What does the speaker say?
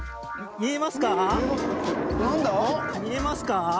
見えますか？